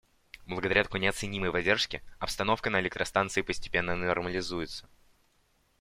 Благодаря такой неоценимой поддержке обстановка на электростанции постепенно нормализуется.